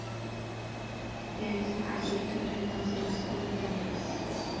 There is an isolated greenhouse in the school campus.